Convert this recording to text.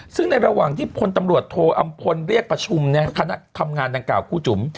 ซึ่งในระหว่างที่พลตำรวจโทอำพลเรียกประชุมคณะทำงานดังกล่าวครูจุ๋ม